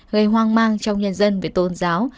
gây hoang mang trong nhân dân về tôn giáo